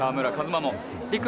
馬も。